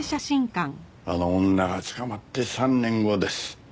あの女が捕まって３年後です。